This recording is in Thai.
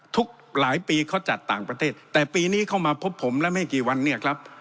ทุกหลายปีเขาจัดต่างประเทศแต่ปีนี้เข้ามาพบผมแล้วไม่กี่วันเนี่ยครับ